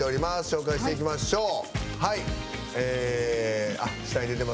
紹介していきましょう。